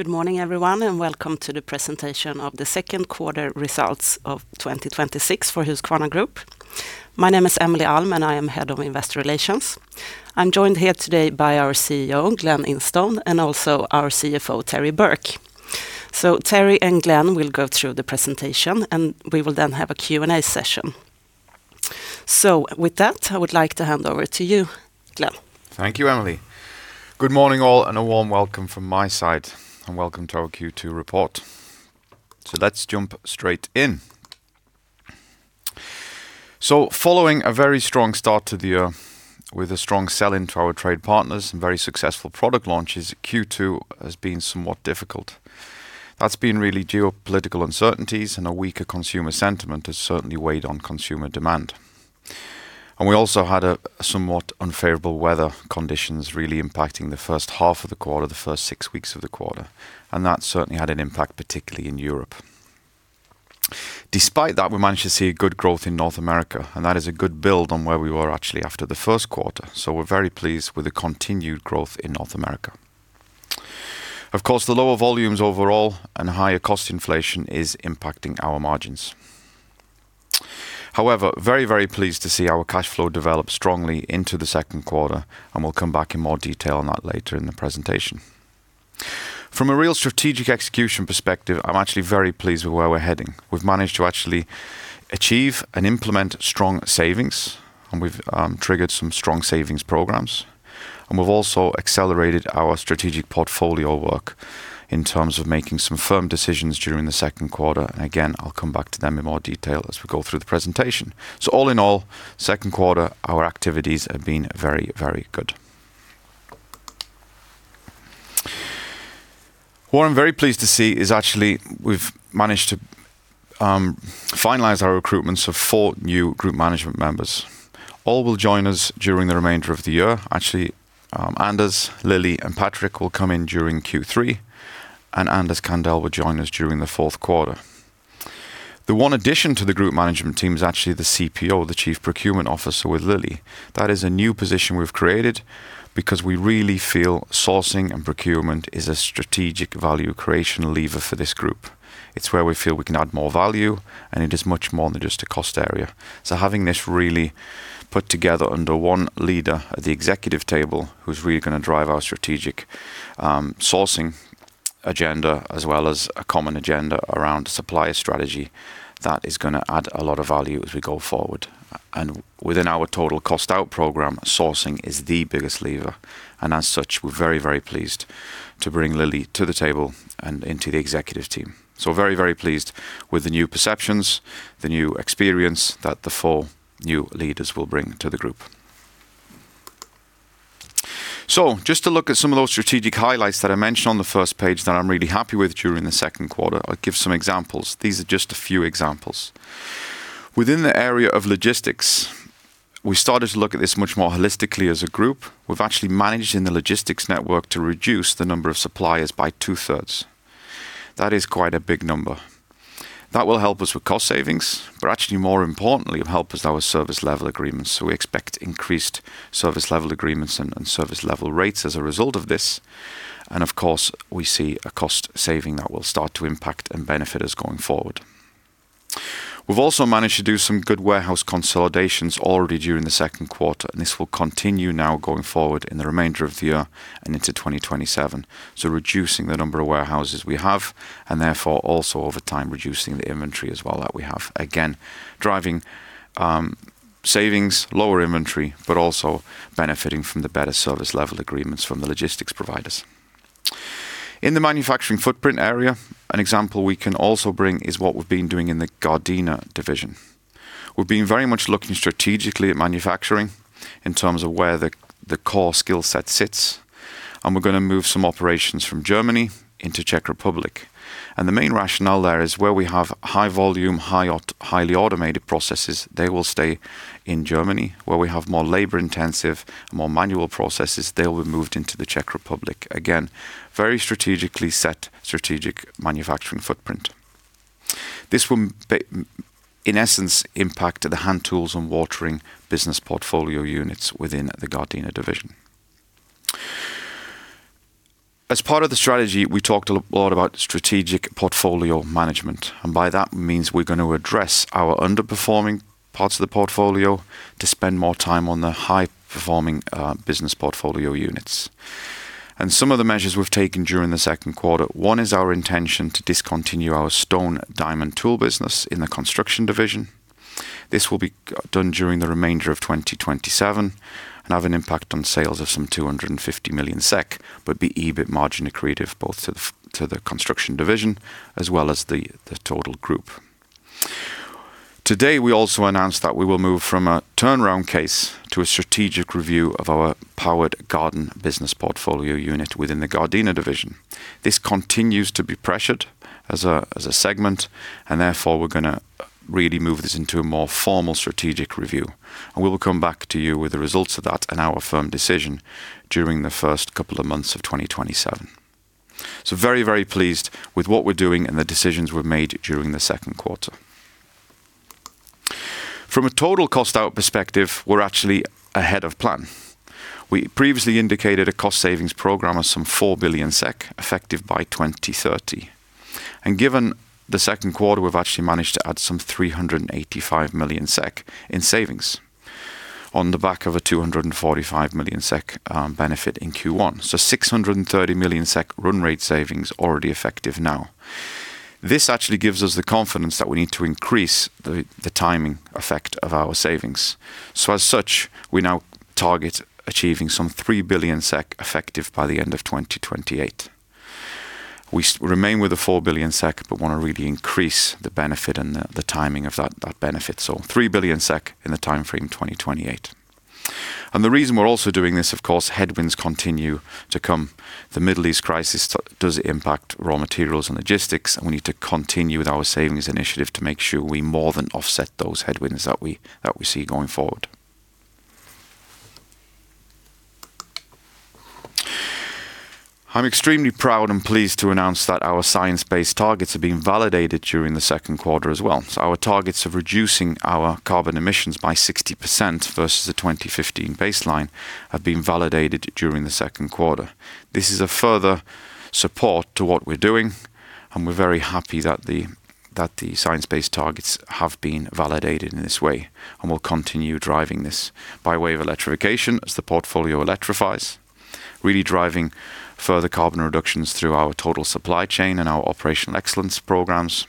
Good morning, everyone, and welcome to the presentation of the second quarter results of 2026 for Husqvarna Group. My name is Emelie Alm, and I am head of Investor Relations. I am joined here today by our Chief Executive Officer, Glen Instone, and also our Chief Financial Officer, Terry Burke. Terry and Glen will go through the presentation, and we will then have a Q&A session. With that, I would like to hand over to you, Glen. Thank you, Emelie. Good morning, all, and a warm welcome from my side, and welcome to our Q2 report. Let's jump straight in. Following a very strong start to the year with a strong sell-in to our trade partners and very successful product launches, Q2 has been somewhat difficult. That has been really geopolitical uncertainties and a weaker consumer sentiment has certainly weighed on consumer demand. We also had a somewhat unfavorable weather conditions really impacting the first half of the quarter, the first six weeks of the quarter, and that certainly had an impact, particularly in Europe. Despite that, we managed to see a good growth in North America, and that is a good build on where we were actually after the first quarter. We are very pleased with the continued growth in North America. Of course, the lower volumes overall and higher cost inflation is impacting our margins. However, very pleased to see our cash flow develop strongly into the second quarter, and we will come back in more detail on that later in the presentation. From a real strategic execution perspective, I am actually very pleased with where we are heading. We have managed to actually achieve and implement strong savings, and we have triggered some strong savings programs, and we have also accelerated our strategic portfolio work in terms of making some firm decisions during the second quarter. Again, I will come back to them in more detail as we go through the presentation. All in all, second quarter, our activities have been very good. What I am very pleased to see is actually we have managed to finalize our recruitments of four new group management members. All will join us during the remainder of the year. Actually, Anders, Lily, and Patrik will come in during Q3, and Anders Candell will join us during the fourth quarter. The one addition to the group management team is actually the CPO, the Chief Procurement Officer, with Lily. That is a new position we have created because we really feel sourcing and procurement is a strategic value creation lever for this group. It is where we feel we can add more value, and it is much more than just a cost area. Having this really put together under one leader at the executive table who is really going to drive our strategic sourcing agenda as well as a common agenda around supplier strategy, that is going to add a lot of value as we go forward. Within our total cost-out program, sourcing is the biggest lever. As such, we're very pleased to bring Lily to the table and into the executive team. Very pleased with the new perceptions, the new experience that the four new leaders will bring to the group. Just to look at some of those strategic highlights that I mentioned on the first page that I'm really happy with during the second quarter. I'll give some examples. These are just a few examples. Within the area of logistics, we started to look at this much more holistically as a group. We've actually managed in the logistics network to reduce the number of suppliers by two-thirds. That is quite a big number. That will help us with cost savings, but actually more importantly, it'll help us our service level agreements. We expect increased service level agreements and service level rates as a result of this. Of course, we see a cost saving that will start to impact and benefit us going forward. We've also managed to do some good warehouse consolidations already during the second quarter, and this will continue now going forward in the remainder of the year and into 2027. Reducing the number of warehouses we have, and therefore also over time, reducing the inventory as well that we have. Again, driving savings, lower inventory, but also benefiting from the better service level agreements from the logistics providers. In the manufacturing footprint area, an example we can also bring is what we've been doing in the Gardena division. We've been very much looking strategically at manufacturing in terms of where the core skill set sits, and we're going to move some operations from Germany into Czech Republic. The main rationale there is where we have high volume, highly automated processes, they will stay in Germany. Where we have more labor-intensive, more manual processes, they will be moved into the Czech Republic. Again, very strategically set strategic manufacturing footprint. This will, in essence, impact the hand tools and watering business portfolio units within the Gardena division. As part of the strategy, we talked a lot about strategic portfolio management, and by that means we're going to address our underperforming parts of the portfolio to spend more time on the high-performing business portfolio units. Some of the measures we've taken during the second quarter. One is our intention to discontinue our stone diamond tools business in the Construction Division. This will be done during the remainder of 2027 and have an impact on sales of some 250 million SEK, but be EBITDA margin accretive both to the Construction Division as well as the total group. Today, we also announced that we will move from a turnaround case to a strategic review of our Powered Garden business portfolio unit within the Gardena division. This continues to be pressured as a segment. Therefore, we're going to really move this into a more formal strategic review. We will come back to you with the results of that and our firm decision during the first couple of months of 2027. Very pleased with what we're doing and the decisions we've made during the second quarter. From a total cost out perspective, we're actually ahead of plan. We previously indicated a cost savings program of some 4 billion SEK effective by 2030. Given the second quarter, we've actually managed to add some 385 million SEK in savings on the back of a 245 million SEK benefit in Q1. 630 million SEK run rate savings already effective now. This actually gives us the confidence that we need to increase the timing effect of our savings. As such, we now target achieving some 3 billion SEK effective by the end of 2028. We remain with the 4 billion SEK, but want to really increase the benefit and the timing of that benefit. 3 billion SEK in the timeframe 2028. The reason we're also doing this, of course, headwinds continue to come. The Middle East crisis does impact raw materials and logistics, we need to continue with our savings initiative to make sure we more than offset those headwinds that we see going forward. I'm extremely proud and pleased to announce that our Science Based Targets are being validated during the second quarter as well. Our targets of reducing our carbon emissions by 60% versus the 2015 baseline have been validated during the second quarter. This is a further support to what we're doing, and we're very happy that the Science Based Targets have been validated in this way. We'll continue driving this by way of electrification as the portfolio electrifies. Really driving further carbon reductions through our total supply chain and our operational excellence programs,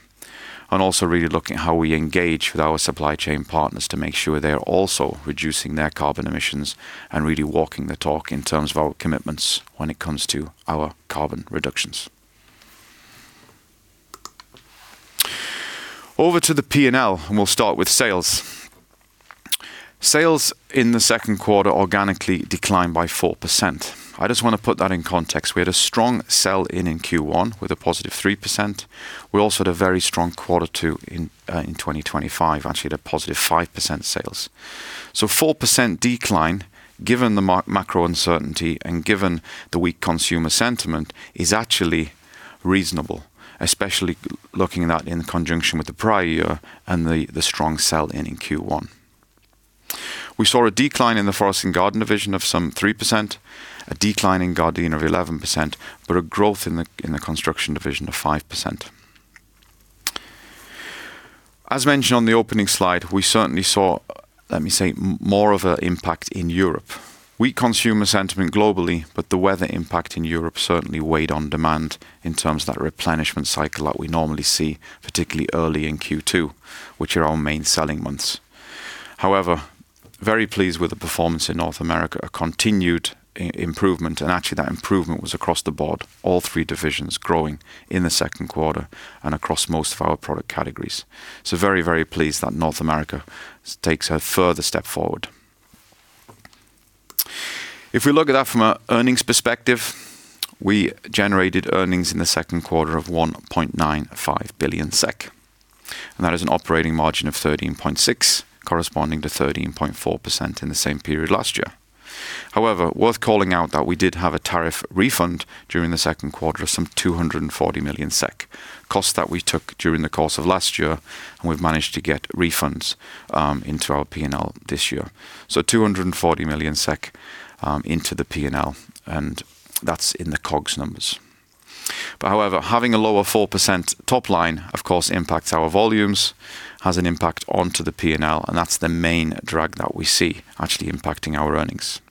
and also really looking at how we engage with our supply chain partners to make sure they are also reducing their carbon emissions and really walking the talk in terms of our commitments when it comes to our carbon reductions. Over to the P&L, we'll start with sales. Sales in the second quarter organically declined by 4%. I just want to put that in context. We had a strong sell in Q1 with a +3%. We also had a very strong Q2 in 2025, actually at a +5% sales. 4% decline, given the macro uncertainty and given the weak consumer sentiment, is actually reasonable, especially looking at that in conjunction with the prior year and the strong sell in Q1. We saw a decline in the Forest & Garden division of some 3%, a decline in Gardena of 11%, a growth in the Construction division of 5%. As mentioned on the opening slide, we certainly saw, let me say, more of an impact in Europe. Weak consumer sentiment globally, but the weather impact in Europe certainly weighed on demand in terms of that replenishment cycle that we normally see, particularly early in Q2, which are our main selling months. However, very pleased with the performance in North America, a continued improvement, actually that improvement was across the board, all three divisions growing in the second quarter and across most of our product categories. Very, very pleased that North America takes a further step forward. We look at that from an earnings perspective, we generated earnings in the second quarter of 1.95 billion SEK, and that is an operating margin of 13.6%, corresponding to 13.4% in the same period last year. Worth calling out that we did have a tariff refund during the second quarter of some 240 million SEK. Costs that we took during the course of last year, and we've managed to get refunds into our P&L this year. 240 million SEK into the P&L, and that's in the COGS numbers. Having a lower 4% top line, of course, impacts our volumes, has an impact onto the P&L, and that's the main drag that we see actually impacting our earnings.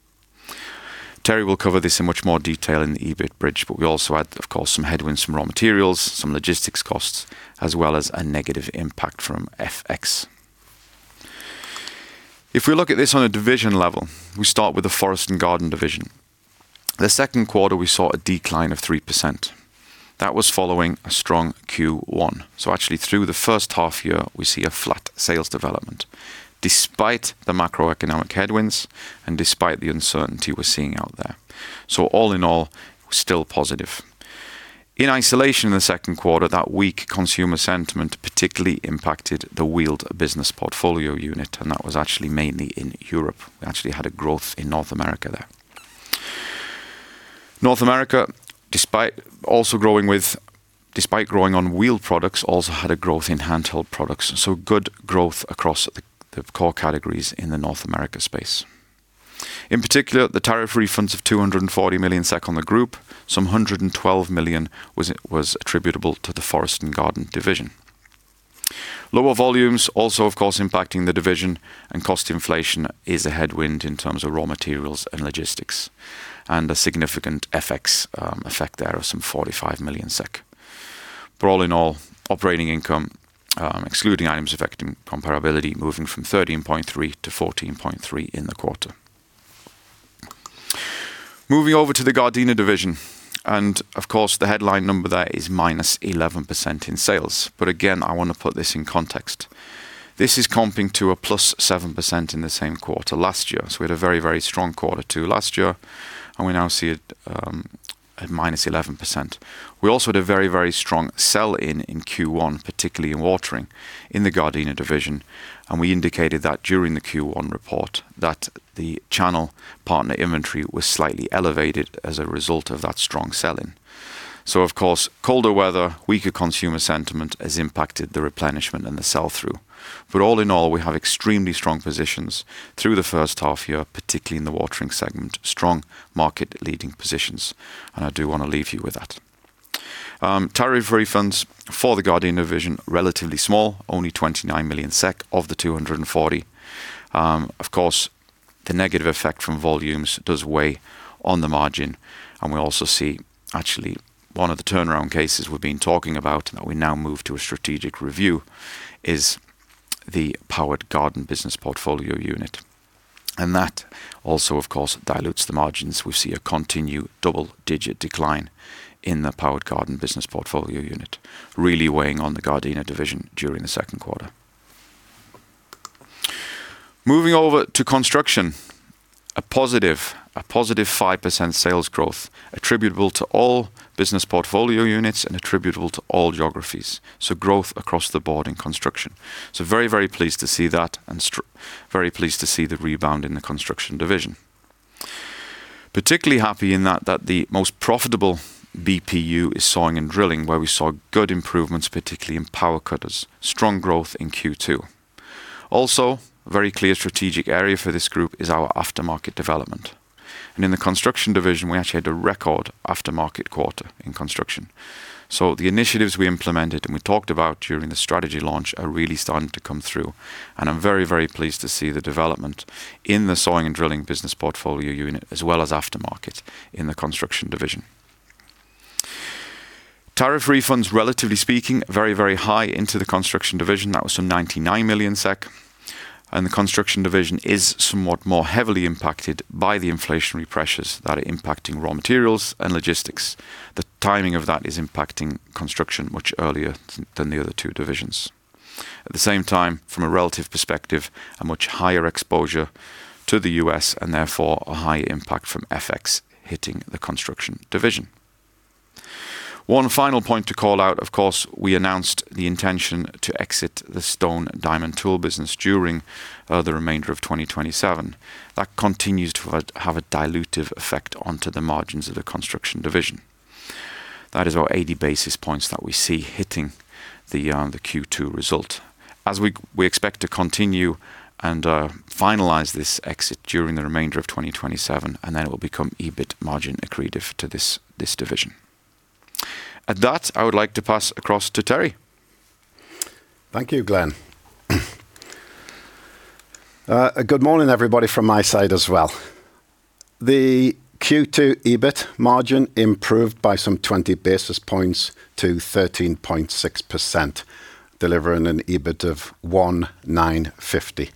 Terry will cover this in much more detail in the EBITDA bridge, but we also had, of course, some headwinds from raw materials, some logistics costs, as well as a negative impact from FX. If we look at this on a division level, we start with the Forest and Garden division. The second quarter, we saw a decline of 3%. That was following a strong Q1. Actually, through the first half year, we see a flat sales development despite the macroeconomic headwinds and despite the uncertainty we're seeing out there. All in all, still positive. In isolation in the second quarter, that weak consumer sentiment particularly impacted the wheeled business portfolio unit, and that was actually mainly in Europe. We actually had a growth in North America there. North America, despite growing on wheeled products, also had a growth in handheld products, so good growth across the core categories in the North America space. In particular, the tariff refunds of 240 million SEK on the group, some 112 million was attributable to the Forest and Garden division. Lower volumes also, of course, impacting the division, and cost inflation is a headwind in terms of raw materials and logistics, and a significant FX effect there of some 45 million SEK. All in all, operating income, excluding items affecting comparability, moving from 13.3%-14.3% in the quarter. Moving over to the Gardena division, and of course, the headline number there is -11% in sales. Again, I want to put this in context. This is comping to a +7% in the same quarter last year. We had a very, very strong quarter two last year, and we now see it at -11%. We also had a very strong sell-in in Q1, particularly in watering in the Gardena division, and we indicated that during the Q1 report that the channel partner inventory was slightly elevated as a result of that strong sell-in. Of course, colder weather, weaker consumer sentiment has impacted the replenishment and the sell-through. All in all, we have extremely strong positions through the first half year, particularly in the watering segment. Strong market leading positions, and I do want to leave you with that. Tariff refunds for the Gardena division, relatively small, only 29 million SEK of the 240 million SEK. The negative effect from volumes does weigh on the margin, and we also see, actually, one of the turnaround cases we've been talking about, and that we now move to a strategic review, is the Powered Garden business portfolio unit. That also, of course, dilutes the margins. We see a continued double-digit decline in the Powered Garden business portfolio unit, really weighing on the Gardena division during the second quarter. Moving over to construction, a +5% sales growth attributable to all business portfolio units and attributable to all geographies. Growth across the board in construction. Very pleased to see that and very pleased to see the rebound in the construction division. Particularly happy in that the most profitable BPU is sawing and drilling, where we saw good improvements, particularly in power cutters. Strong growth in Q2. Also, very clear strategic area for this group is our aftermarket development. In the construction division, we actually had a record aftermarket quarter in construction. The initiatives we implemented, and we talked about during the strategy launch, are really starting to come through. I am very pleased to see the development in the sawing and drilling business portfolio unit, as well as aftermarket in the construction division. Tariff refunds, relatively speaking, very high into the construction division. That was some 99 million SEK. The construction division is somewhat more heavily impacted by the inflationary pressures that are impacting raw materials and logistics. The timing of that is impacting construction much earlier than the other two divisions. At the same time, from a relative perspective, a much higher exposure to the U.S. and therefore a high impact from FX hitting the construction division. One final point to call out, of course, we announced the intention to exit the stone diamond tool business during the remainder of 2027. That continues to have a dilutive effect onto the margins of the construction division. That is our 80 basis points that we see hitting the Q2 result. We expect to continue and finalize this exit during the remainder of 2027, and then it will become EBITDA margin accretive to this division. At that, I would like to pass across to Terry. Thank you, Glen. Good morning, everybody, from my side as well. The Q2 EBITDA margin improved by some 20 basis points to 13.6%, delivering an EBITDA of 1,950.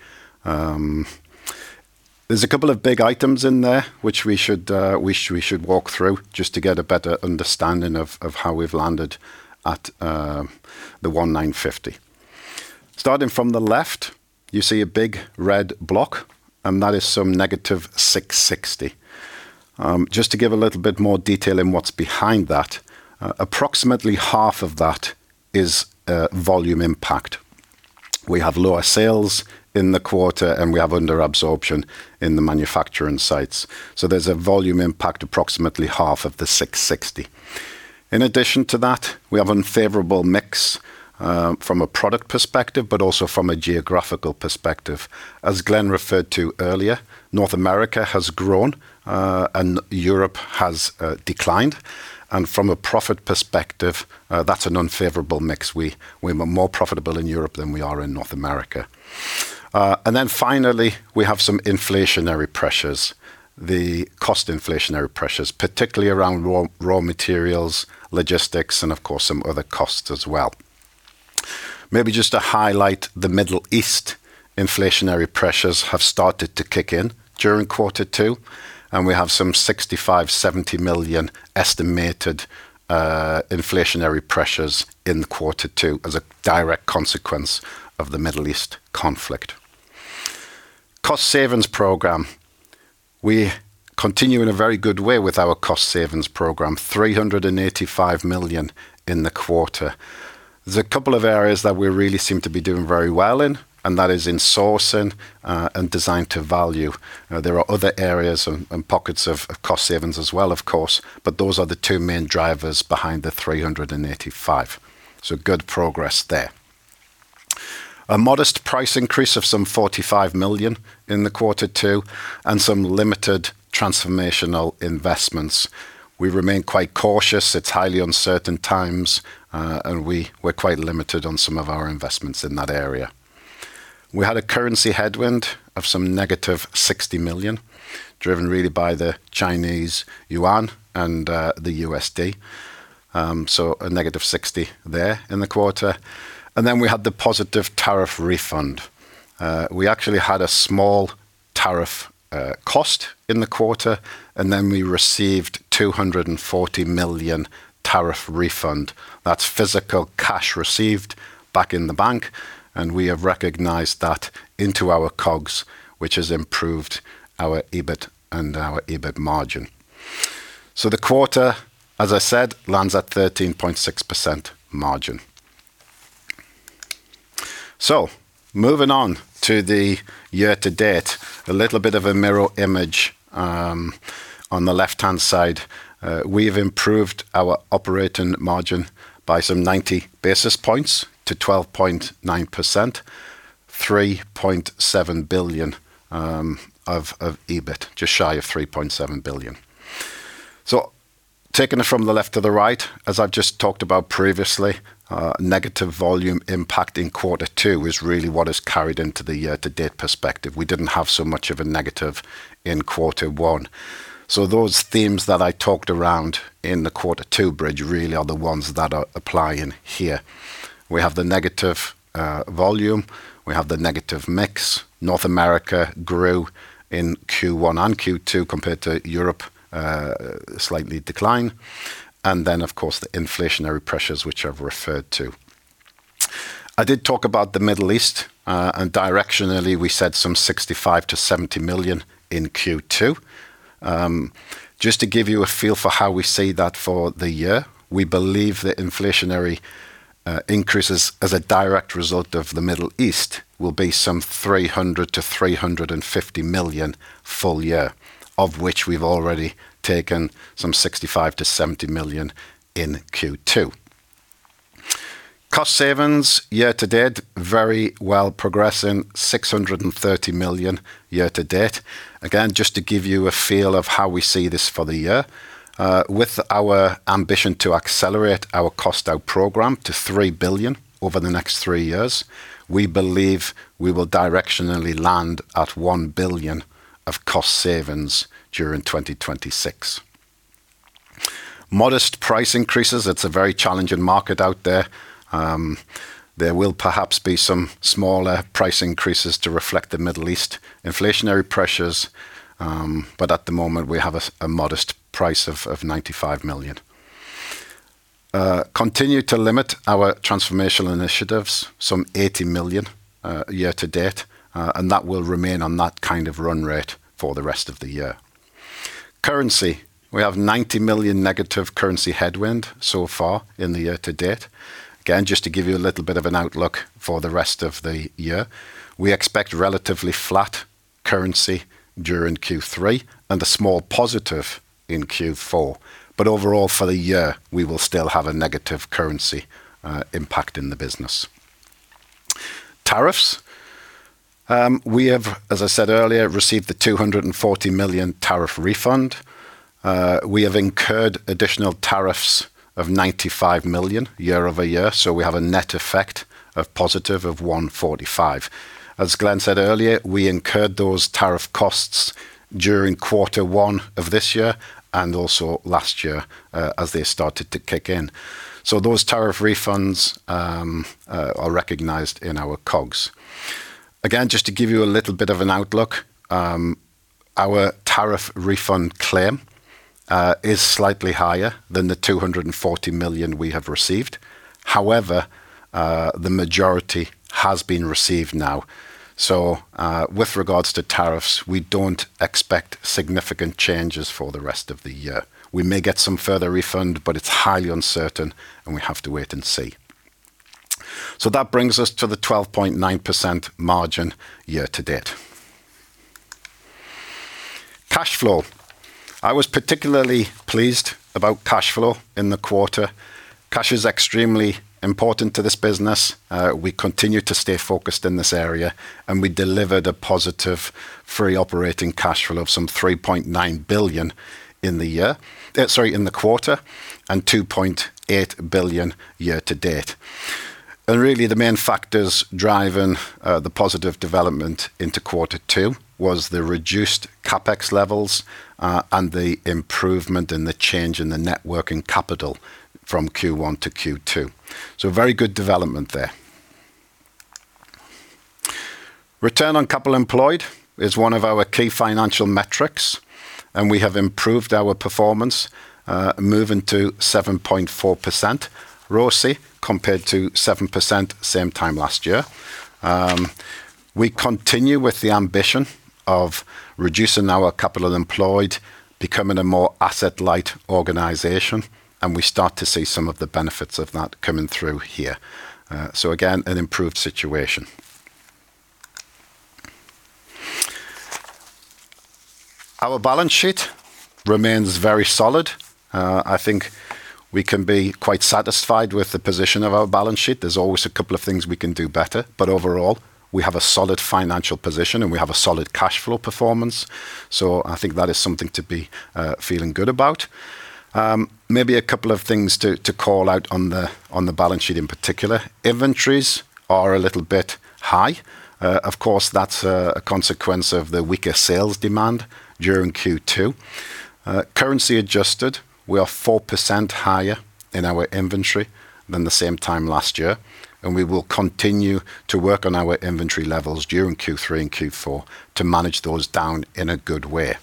There is a couple of big items in there which we should walk through just to get a better understanding of how we have landed at the 1,950. Starting from the left, you see a big red block, and that is some -660. Just to give a little bit more detail in what is behind that, approximately half of that is volume impact. We have lower sales in the quarter, and we have under absorption in the manufacturing sites. There is a volume impact, approximately half of the 660. In addition to that, we have unfavorable mix from a product perspective, but also from a geographical perspective. As Glen referred to earlier, North America has grown, and Europe has declined. From a profit perspective, that's an unfavorable mix. We were more profitable in Europe than we are in North America. Finally, we have some inflationary pressures, the cost inflationary pressures, particularly around raw materials, logistics, and of course, some other costs as well. Maybe just to highlight, the Middle East inflationary pressures have started to kick in during quarter two, and we have some 65 million-70 million estimated inflationary pressures in quarter two as a direct consequence of the Middle East conflict. Cost savings program. We continue in a very good way with our cost savings program, 385 million in the quarter. There's a couple of areas that we really seem to be doing very well in, and that is in sourcing and Design-to-Value. There are other areas and pockets of cost savings as well, of course, those are the two main drivers behind the 385 million. Good progress there. A modest price increase of some 45 million in the quarter two and some limited transformational investments. We remain quite cautious. It's highly uncertain times, and we're quite limited on some of our investments in that area. We had a currency headwind of some -60 million, driven really by the Chinese Yuan and the USD. A -60 million there in the quarter. We had the positive tariff refund. We actually had a small tariff cost in the quarter, and then we received 240 million tariff refund. That's physical cash received back in the bank, and we have recognized that into our COGS, which has improved our EBITDA and our EBITDA margin. The quarter, as I said, lands at 13.6% margin. Moving on to the year to date, a little bit of a mirror image on the left-hand side. We have improved our operating margin by some 90 basis points to 12.9%, 3.7 billion of EBITDA, just shy of 3.7 billion. Taking it from the left to the right, as I just talked about previously, negative volume impact in quarter two is really what is carried into the year to date perspective. We didn't have so much of a negative in quarter one. Those themes that I talked around in the quarter two bridge really are the ones that are applying here. We have the negative volume. We have the negative mix. North America grew in Q1 and Q2 compared to Europe, slightly decline. Of course, the inflationary pressures, which I've referred to. I did talk about the Middle East, directionally, we said some 65 million-70 million in Q2. Just to give you a feel for how we see that for the year, we believe the inflationary increases as a direct result of the Middle East will be some 300 million-350 million full year, of which we've already taken some 65 million-70 million in Q2. Cost savings year to date, very well progressing, 630 million year to date. Again, just to give you a feel of how we see this for the year. With our ambition to accelerate our cost out program to 3 billion over the next three years, we believe we will directionally land at 1 billion of cost savings during 2026. Modest price increases. It's a very challenging market out there. There will perhaps be some smaller price increases to reflect the Middle East inflationary pressures. At the moment, we have a modest price of 95 million. Continue to limit our transformational initiatives, some 80 million year to date, and that will remain on that kind of run rate for the rest of the year. Currency, we have 90 million negative currency headwind so far in the year to date. Again, just to give you a little bit of an outlook for the rest of the year. We expect relatively flat currency during Q3 and a small positive in Q4. Overall, for the year, we will still have a negative currency impact in the business. Tariffs, we have, as I said earlier, received the 240 million tariff refund. We have incurred additional tariffs of 95 million year-over-year. So we have a net effect of positive of 145 million. As Glen said earlier, we incurred those tariff costs during quarter one of this year and also last year as they started to kick in. So those tariff refunds are recognized in our COGS. Again, just to give you a little bit of an outlook, our tariff refund claim is slightly higher than the 240 million we have received. However, the majority has been received now. So with regards to tariffs, we don't expect significant changes for the rest of the year. We may get some further refund, but it's highly uncertain, and we have to wait and see. So that brings us to the 12.9% margin year to date. Cash flow. I was particularly pleased about cash flow in the quarter. Cash is extremely important to this business. We continue to stay focused in this area, and we delivered a positive free operating cash flow of some 3.9 billion in the quarter, and 2.8 billion year to date. And really the main factors driving the positive development into quarter two was the reduced CapEx levels, and the improvement in the change in the net working capital from Q1 to Q2. So very good development there. Return on capital employed is one of our key financial metrics, and we have improved our performance, moving to 7.4% ROCE compared to 7% same time last year. We continue with the ambition of reducing our capital employed, becoming a more asset-light organization, and we start to see some of the benefits of that coming through here. So again, an improved situation. Our balance sheet remains very solid. I think we can be quite satisfied with the position of our balance sheet. There's always a couple of things we can do better, but overall, we have a solid financial position, and we have a solid cash flow performance. So I think that is something to be feeling good about. Maybe a couple of things to call out on the balance sheet in particular. Inventories are a little bit high. Of course, that's a consequence of the weaker sales demand during Q2. Currency adjusted, we are 4% higher in our inventory than the same time last year, and we will continue to work on our inventory levels during Q3 and Q4 to manage those down in a good way.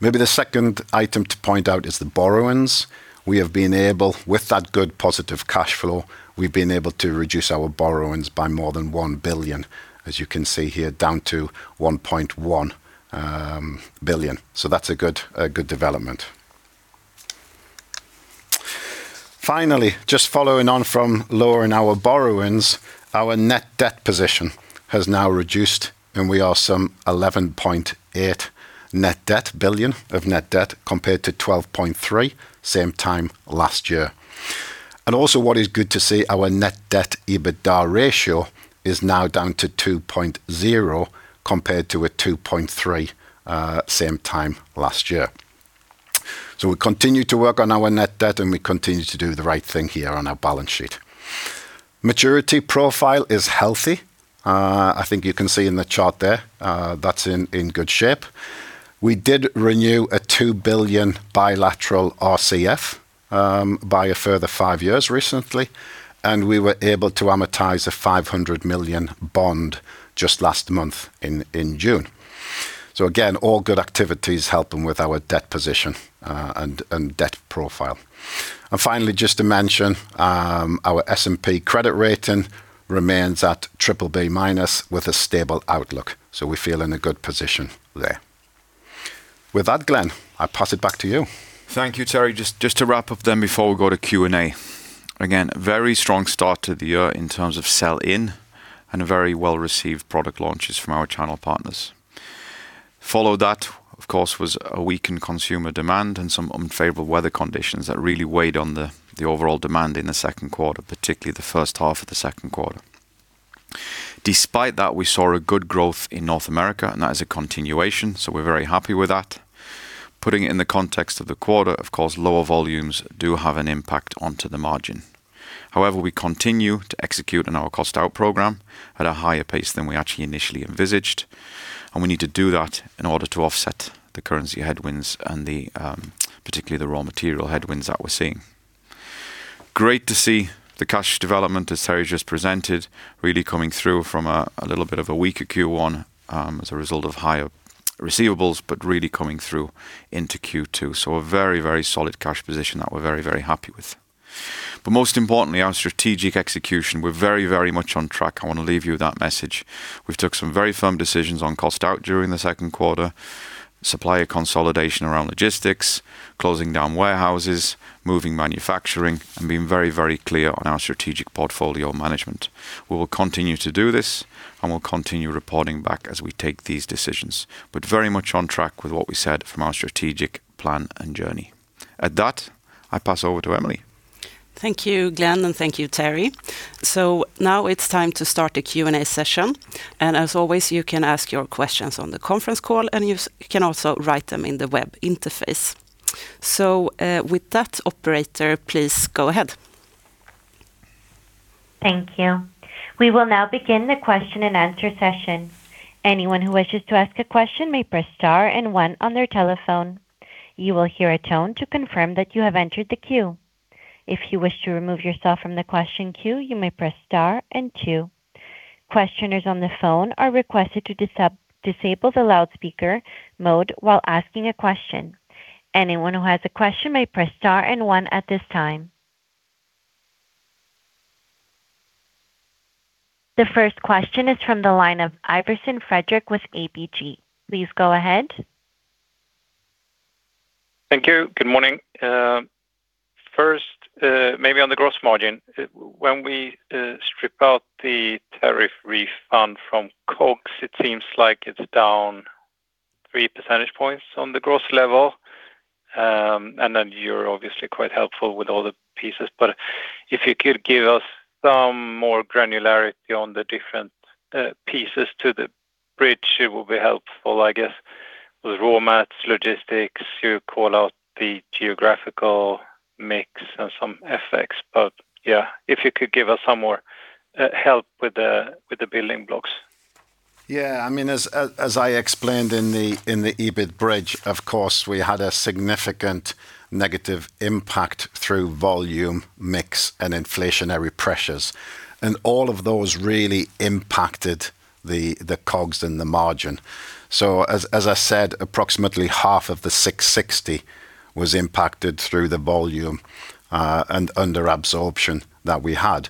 Maybe the second item to point out is the borrowings. We have been able, with that good positive cash flow, we've been able to reduce our borrowings by more than 1 billion, as you can see here, down to 1.1 billion. That's a good development. Finally, just following on from lowering our borrowings, our net debt position has now reduced, and we are some 11.8 billion of net debt, compared to 12.3 billion same time last year. What is good to see, our net debt, EBITDA ratio is now down to 2.0 compared to a 2.3 same time last year. We continue to work on our net debt, and we continue to do the right thing here on our balance sheet. Maturity profile is healthy. I think you can see in the chart there, that's in good shape. We did renew a 2 billion bilateral RCF by a further five years recently, and we were able to amortize a 500 million bond just last month in June. Again, all good activities helping with our debt position and debt profile. Just to mention, our S&P credit rating remains at BBB- with a stable outlook, so we feel in a good position there. With that, Glen, I pass it back to you. Thank you, Terry. Just to wrap up before we go to Q&A. Very strong start to the year in terms of sell-in and very well-received product launches from our channel partners. Follow that, of course, was a weakened consumer demand and some unfavorable weather conditions that really weighed on the overall demand in the second quarter, particularly the first half of the second quarter. Despite that, we saw a good growth in North America, and that is a continuation, so we're very happy with that. Putting it in the context of the quarter, of course, lower volumes do have an impact onto the margin. We continue to execute on our cost-out program at a higher pace than we actually initially envisaged, and we need to do that in order to offset the currency headwinds and particularly the raw material headwinds that we're seeing. Great to see the cash development as Terry just presented, really coming through from a little bit of a weaker Q1, as a result of higher receivables, but really coming through into Q2. A very solid cash position that we're very happy with. Most importantly, our strategic execution, we're very much on track. I want to leave you with that message. We've took some very firm decisions on cost out during the second quarter, supplier consolidation around logistics, closing down warehouses, moving manufacturing and being very clear on our strategic portfolio management. We will continue to do this, and we'll continue reporting back as we take these decisions. Very much on track with what we said from our strategic plan and journey. At that, I pass over to Emelie. Thank you, Glen, and thank you, Terry. Now it's time to start the Q&A session. As always, you can ask your questions on the conference call, and you can also write them in the web interface. With that, operator, please go ahead. Thank you. We will now begin the question and answer session. Anyone who wishes to ask a question may press star and one on their telephone. You will hear a tone to confirm that you have entered the queue. If you wish to remove yourself from the question queue, you may press star and two. Questioners on the phone are requested to disable the loudspeaker mode while asking a question. Anyone who has a question may press star and one at this time. The first question is from the line of Ivarsson Fredrik with ABG. Please go ahead. Thank you. Good morning. First, maybe on the gross margin. When we strip out the tariff refund from COGS, it seems like it's down 3 percentage points on the gross level, and then you're obviously quite helpful with all the pieces. If you could give us some more granularity on the different pieces to the bridge, it will be helpful, I guess, with raw mats, logistics. You call out the geographical mix and some effects. If you could give us some more help with the building blocks. As I explained in the EBITDA bridge, of course, we had a significant negative impact through volume, mix, and inflationary pressures. All of those really impacted the COGS and the margin. As I said, approximately half of the 660 was impacted through the volume, and under absorption that we had.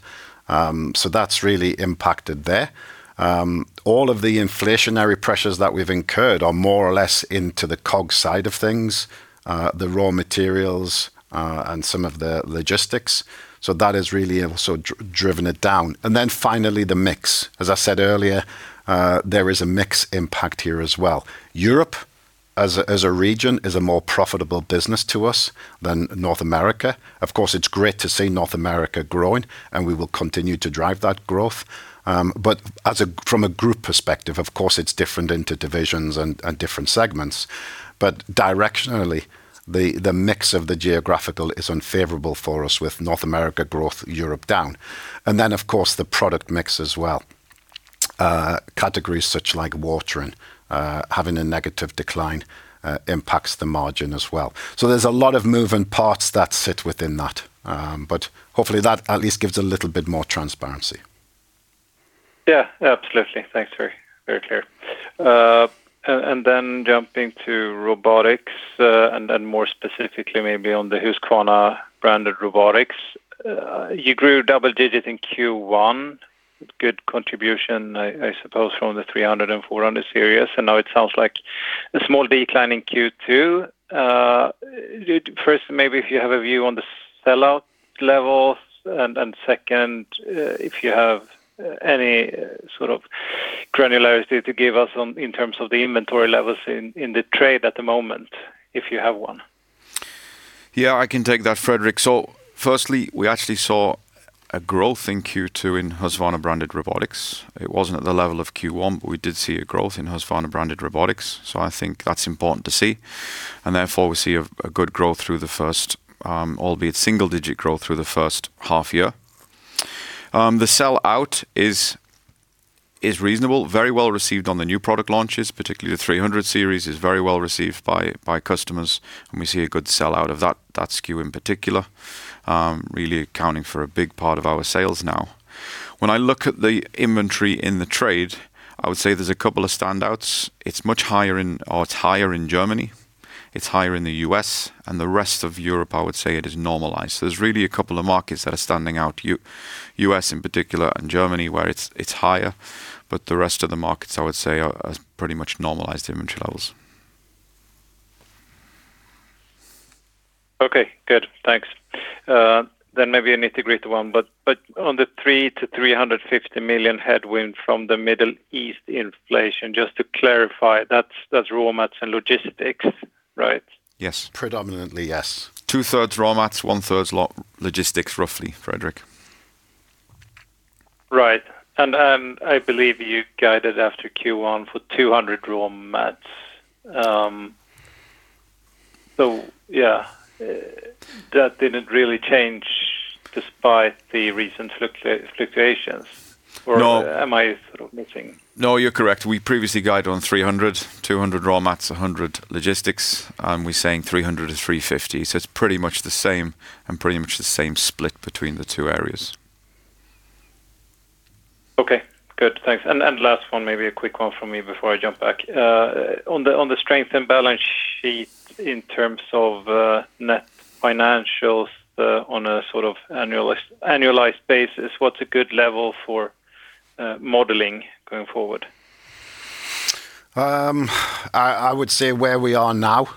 That's really impacted there. All of the inflationary pressures that we've incurred are more or less into the COGS side of things, the raw materials, and some of the logistics. That has really also driven it down. Then finally, the mix. As I said earlier, there is a mix impact here as well. Europe, as a region, is a more profitable business to us than North America. Of course, it's great to see North America growing, and we will continue to drive that growth. From a group perspective, of course it's different into divisions and different segments. Directionally, the mix of the geographical is unfavorable for us with North America growth, Europe down. Then of course the product mix as well. Categories such like watering having a negative decline impacts the margin as well. There's a lot of moving parts that sit within that. Hopefully that at least gives a little bit more transparency. Yeah, absolutely. Thanks, Terry. Then jumping to robotics, and then more specifically maybe on the Husqvarna branded robotics You grew double-digits in Q1. Good contribution, I suppose, from the 300 and 400 Series, and now it sounds like a small decline in Q2. First, maybe if you have a view on the sellout levels, and second, if you have any sort of granularity to give us in terms of the inventory levels in the trade at the moment, if you have one? Yeah, I can take that, Fredrik. Firstly, we actually saw a growth in Q2 in Husqvarna-branded robotics. It wasn't at the level of Q1, we did see a growth in Husqvarna-branded robotics. I think that's important to see. Therefore, we see a good growth through the first, albeit single-digit growth through the first half year. The sellout is reasonable, very well received on the new product launches, particularly the 300 Series is very well received by customers, and we see a good sellout of that SKU in particular, really accounting for a big part of our sales now. When I look at the inventory in the trade, I would say there's a couple of standouts. It's much higher in Germany, it's higher in the U.S., the rest of Europe, I would say it is normalized. There's really a couple of markets that are standing out, U.S. in particular, Germany, where it's higher, the rest of the markets, I would say, are at pretty much normalized inventory levels. Okay, good. Thanks. Maybe a related one, on the 300 million-350 million headwind from the Middle East inflation, just to clarify, that's raw mats and logistics, right? Yes. Predominantly, yes. Two-thirds raw mats, one-thirds logistics, roughly, Fredrik. Right. I believe you guided after Q1 for 200 raw mats. Yeah, that didn't really change despite the recent fluctuations. No. Am I sort of missing? No, you're correct. We previously guided on 300. 200 raw mats, 100 logistics, we're saying 300-350. It's pretty much the same, and pretty much the same split between the two areas. Okay, good. Thanks. Last one, maybe a quick one from me before I jump back. On the strength and balance sheet in terms of net financials on a sort of annualized basis, what's a good level for modeling going forward? I would say where we are now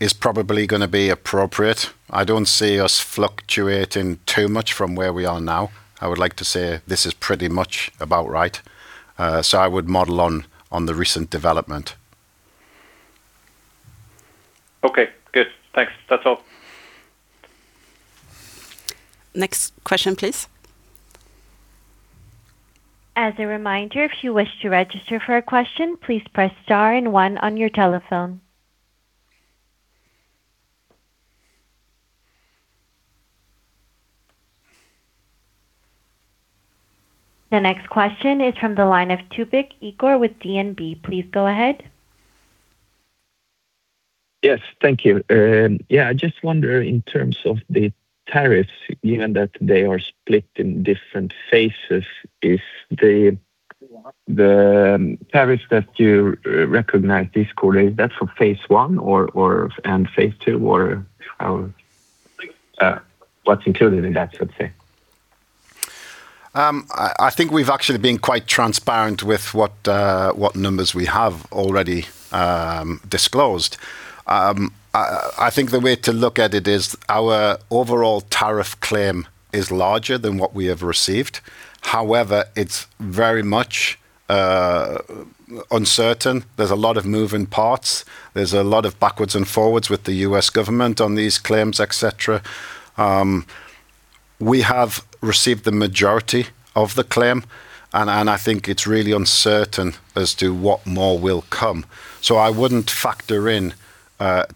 is probably going to be appropriate. I don't see us fluctuating too much from where we are now. I would like to say this is pretty much about right. I would model on the recent development. Okay, good. Thanks. That's all. Next question, please. As a reminder, if you wish to register for a question, please press star and one on your telephone. The next question is from the line of Tubic Igor with DNB. Please go ahead. Yes. Thank you. Yeah, I just wonder in terms of the tariffs, given that they are split in different phases, if the tariffs that you recognized this quarter, is that for phase I and phase II, or what's included in that, let's say? I think we've actually been quite transparent with what numbers we have already disclosed. I think the way to look at it is our overall tariff claim is larger than what we have received. However, it's very much uncertain. There's a lot of moving parts. There's a lot of backwards and forwards with the U.S. government on these claims, et cetera. We have received the majority of the claim, and I think it's really uncertain as to what more will come. I wouldn't factor in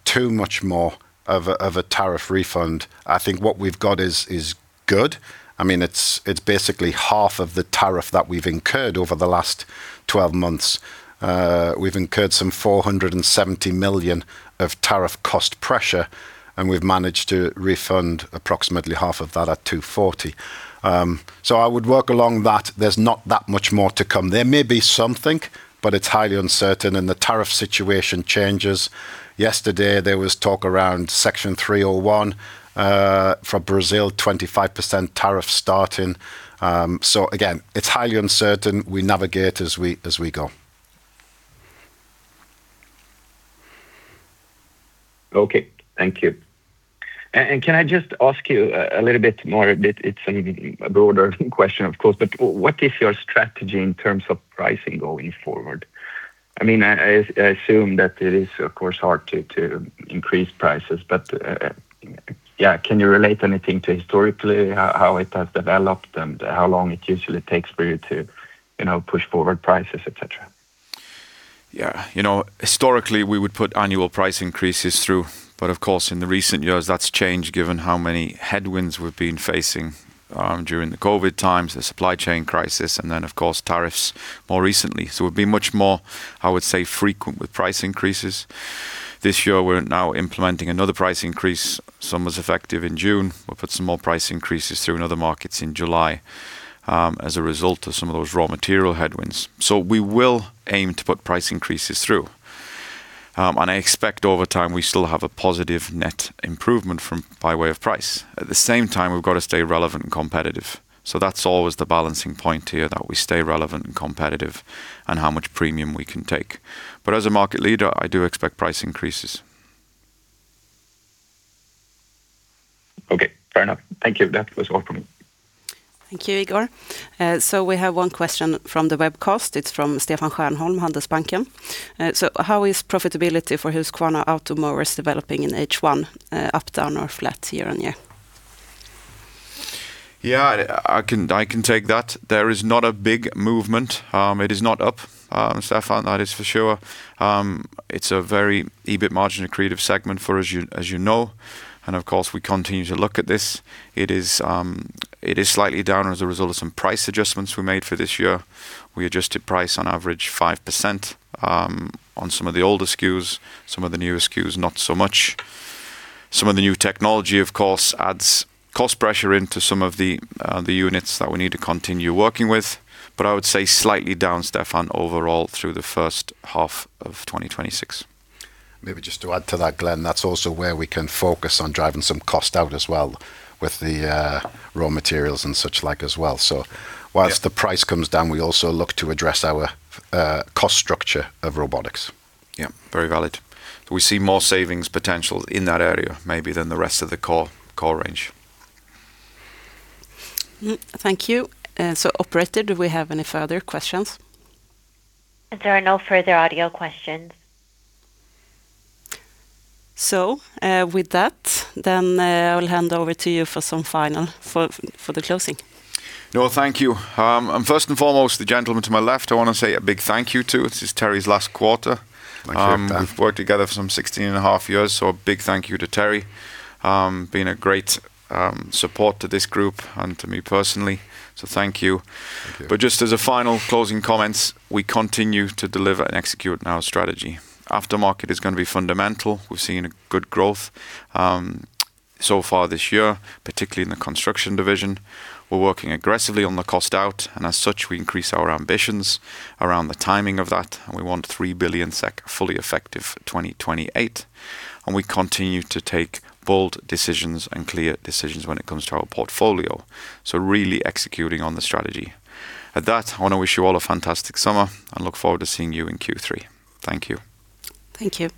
too much more of a tariff refund. I think what we've got is good. It's basically half of the tariff that we've incurred over the last 12 months. We've incurred some 470 million of tariff cost pressure, and we've managed to refund approximately half of that at 240 million. I would work along that. There's not that much more to come. There may be something, but it's highly uncertain, and the tariff situation changes. Yesterday there was talk around Section 301, for Brazil, 25% tariff starting. Again, it's highly uncertain. We navigate as we go. Okay. Thank you. Can I just ask you a little bit more? It's a broader question, of course, but what is your strategy in terms of pricing going forward? I assume that it is, of course, hard to increase prices. Yeah, can you relate anything to historically how it has developed and how long it usually takes for you to push forward prices, et cetera? Yeah. Historically, we would put annual price increases through. Of course, in the recent years, that's changed given how many headwinds we've been facing during the COVID times, the supply chain crisis, and then of course, tariffs more recently. We've been much more, I would say, frequent with price increases. This year we're now implementing another price increase, some was effective in June. We'll put some more price increases through in other markets in July as a result of some of those raw material headwinds. We will aim to put price increases through. I expect over time we still have a positive net improvement by way of price. At the same time, we've got to stay relevant and competitive. That's always the balancing point here, that we stay relevant and competitive and how much premium we can take. As a market leader, I do expect price increases. Okay, fair enough. Thank you. That was all for me. Thank you, Igor. We have one question from the webcast. It is from Stefan Stjernholm, Handelsbanken. How is profitability for Husqvarna Automower developing in H1 up, down, or flat year-on-year? Yeah, I can take that. There is not a big movement. It is not up, Stefan, that is for sure. It is a very EBITDA margin accretive segment as you know. Of course, we continue to look at this. It is slightly down as a result of some price adjustments we made for this year. We adjusted price on average 5% on some of the older SKUs, some of the newer SKUs, not so much. Some of the new technology, of course, adds cost pressure into some of the units that we need to continue working with. I would say slightly down, Stefan, overall through the first half of 2026. Maybe just to add to that, Glen, that is also where we can focus on driving some cost out as well with the raw materials and such like as well. Whilst the price comes down, we also look to address our cost structure of robotics. Yeah, very valid. We see more savings potential in that area maybe than the rest of the core range. Thank you. Operator, do we have any further questions? There are no further audio questions. With that, I will hand over to you for the closing. Well, thank you. First and foremost, the gentleman to my left, I want to say a big thank you to. This is Terry's last quarter. Thank you. We've worked together for some 16 and a half years. A big thank you to Terry. Been a great support to this Group and to me personally. Thank you. Thank you. Just as a final closing comments, we continue to deliver and execute on our strategy. Aftermarket is going to be fundamental. We've seen a good growth so far this year, particularly in the Construction Division. As such, we increase our ambitions around the timing of that, we want 3 billion SEK fully effective 2028, we continue to take bold decisions and clear decisions when it comes to our portfolio. Really executing on the strategy. At that, I want to wish you all a fantastic summer and look forward to seeing you in Q3. Thank you. Thank you.